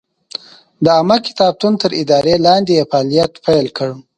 د عامه کتابتون تر ادارې لاندې یې فعالیت پیل کړ.